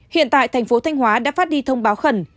hiện tại thành phố thanh hóa đã phát đi thông báo khẩn